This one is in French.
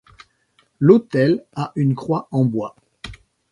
L'autel a une croix en bois.